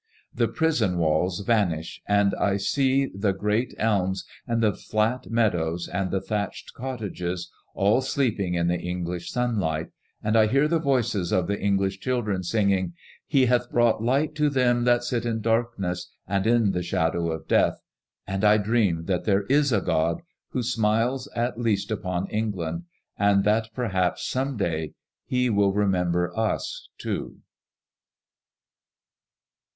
The prison MADKMOUELLB 1X&. 185 walls vanish, smd I see the great elms and the flat meadows and the thatched cottages, all sleep ing in the English sunlight, and I hear the voices of the English children singing, * He hath brought light to them that sit in darkness, and in the shadow of death '; and I dream that there is a God who smiles at least upon England, and that perhaps some day He will remember ut too.